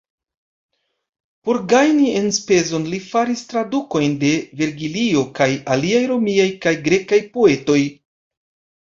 Por gajni enspezon li faris tradukojn de Vergilio kaj aliaj romiaj kaj grekaj poetoj.